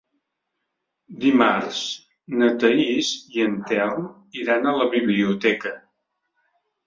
Dimarts na Thaís i en Telm iran a la biblioteca.